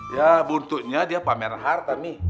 ya buntutnya dia pameran harta mi